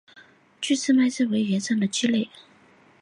距翅麦鸡为鸻科麦鸡属的鸟类。